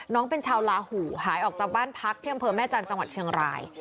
น้องเป็นชาวลาหูหายออกจากบ้านพักที่อำเภอแม่จันทร์จังหวัดเชียงราย